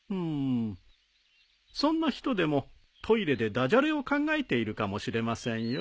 そんな人でもトイレで駄じゃれを考えているかもしれませんよ。